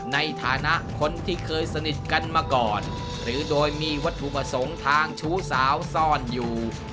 ในฐานะคนที่เคยสนิทกันมาก่อนหรือโดยมีวัตถุประสงค์ทางชู้สาวซ่อนอยู่